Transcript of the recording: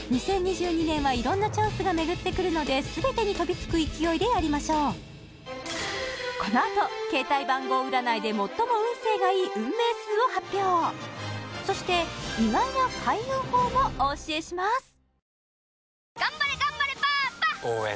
２０２２年は色んなチャンスが巡ってくるので全てに飛びつく勢いでやりましょうこのあと携帯番号占いで最も運勢がいい運命数を発表そして意外な開運法もお教えします